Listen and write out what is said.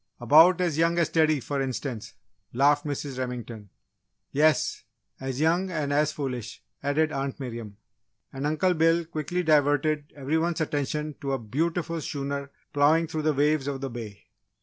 "About as young as Teddy, for instance," laughed Mrs. Remington. "Yes, as young and as foolish," added Aunt Miriam. And Uncle Bill quickly diverted every one's attention to a beautiful schooner ploughing through the waves of the bay.